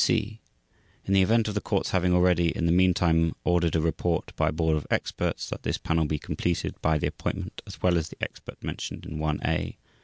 C. In the event of the Court's having already in the meantime ordered a report by a board of experts, that this panel be completed by the appointment, as well as the expert mentioned in I A.